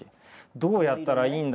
どうやったらいいんだ？